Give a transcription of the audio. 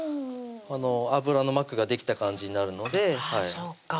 あぶらの膜ができた感じになるのであ